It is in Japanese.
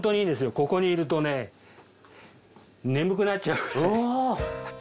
ここにいるとね眠くなっちゃうくらい。